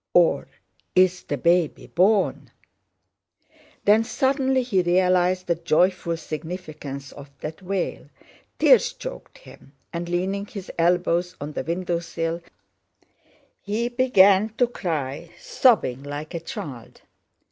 Or is the baby born?" Then suddenly he realized the joyful significance of that wail; tears choked him, and leaning his elbows on the window sill he began to cry, sobbing like a child.